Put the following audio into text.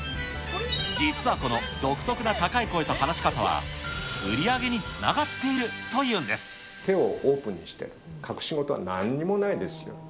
実はこの独特な高い声と話し方は、売り上げにつながっているという手をオープンにしている、隠し事はなんにもないですよと。